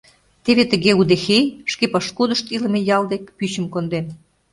Теве тыге удэхей шке пошкудышт илыме ял дек пӱчым конден.